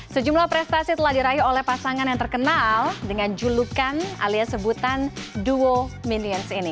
sejumlah prestasi telah diraih oleh pasangan yang terkenal dengan julukan alias sebutan duo minions ini